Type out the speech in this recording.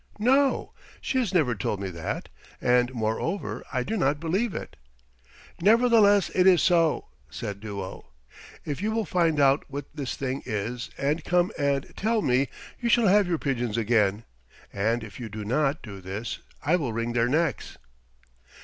"No, she has never told me that, and moreover I do not believe it." "Nevertheless it is so," said Duo. "If you will find out what this thing is and come and tell me you shall have your pigeons again, and if you do not do this I will wring their necks."